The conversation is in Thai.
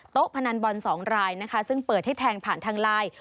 พนันบอล๒รายนะคะซึ่งเปิดให้แทงผ่านทางไลน์